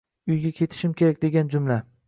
“Uyga ketishimiz kerak”, degan jumla